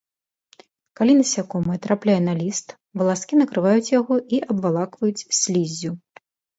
Калі насякомае трапляе на ліст, валаскі накрываюць яго і абвалакваюць сліззю.